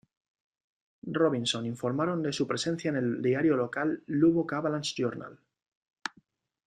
Robinson, informaron de su presencia en el diario local Lubbock Avalanche-Journal.